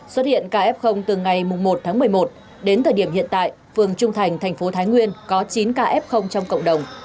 xuất hiện kf từ ngày một tháng một mươi một đến thời điểm hiện tại phường trung thành thành phố thái nguyên có chín kf trong cộng đồng